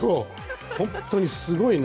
本当にすごいね。